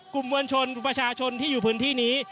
กลุ่มมวลชนกลุ่มประชาชนที่อยู่พื้นที่นี้